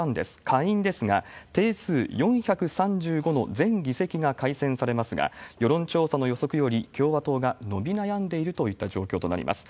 下院ですが、定数４３５の全議席が改選されますが、世論調査の予測より、共和党が伸び悩んでいるといった状況になります。